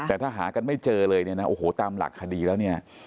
แต่ถ้าหากันไม่เจอเลยเนี่ยนะโอ้โหตามหลักคดีแล้วเนี่ย